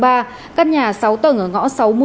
các nhà sáu tầng ở ngõ sáu mươi